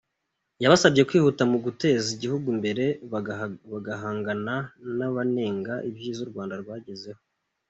Yabasabye kwihuta mu guteza Igihugu imbere, bagahangana n’abanenga ibyiza u Rwanda rwagezeho.